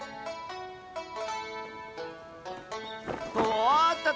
おっとっ